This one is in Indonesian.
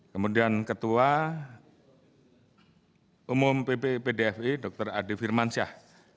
kemudian ketua umum pppdfi dr adi firmansyah